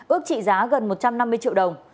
ước trị giá gần một trăm năm mươi triệu đồng